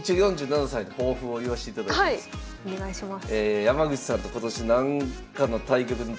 はいお願いします。